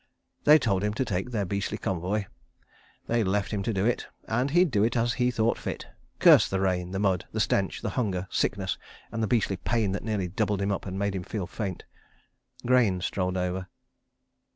They'd told him to take their beastly convoy; they'd left him to do it; and he'd do it as he thought fit. ... Curse the rain, the mud, the stench, the hunger, sickness and the beastly pain that nearly doubled him up and made him feel faint. ... Grayne strolled over.